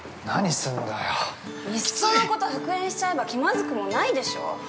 ◆いっそのこと復縁しちゃえば、気まずくもないでしょう。